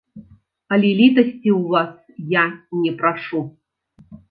Але літасці ў вас я не прашу!